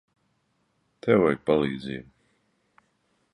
Tev vajag palīdzību.